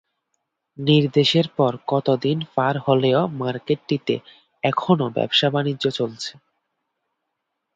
নির্দেশের পর কত দিন পার হলেও মার্কেটটিতে এখনো ব্যবসাবাণিজ্য চলছে?